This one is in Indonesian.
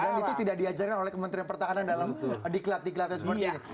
dan itu tidak diajarin oleh kementerian pertahanan diklat diklatnya seperti ini